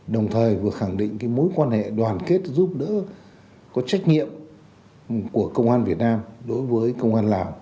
đồng thời vừa khẳng định mối quan hệ đoàn kết giúp đỡ có trách nhiệm của công an việt nam đối với công an lào